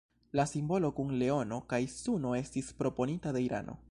La simbolo kun leono kaj suno estis proponita de Irano.